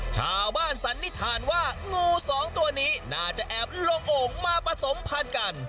ชาวบ้านสันนิษฐานว่างู๒ตัวนี้น่าจะแอบลงโอ่งมาประสมพันธ์กัน